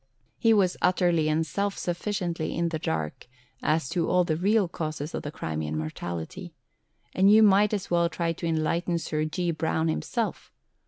He was utterly and self sufficiently in the dark as to all the real causes of the Crimean Mortality. And you might as well try to enlighten Sir G. Brown himself.